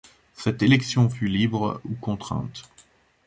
Cette élection fut libre ou contrainte.